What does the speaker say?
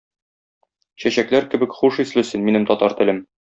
Чәчәкләр кебек хуш исле син, минем татар телем!